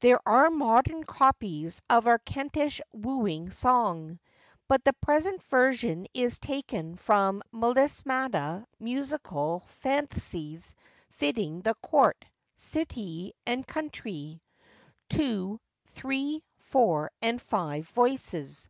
There are modern copies of our Kentish Wooing Song, but the present version is taken from Melismata, Musical phansies fitting the court, citie, and countree. To 3, 4, and 5 voyces.